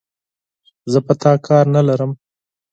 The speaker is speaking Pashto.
زه په تا کار نه لرم،